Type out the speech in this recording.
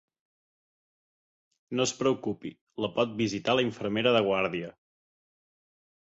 No es preocupi, la pot visitar la infermera de guàrdia.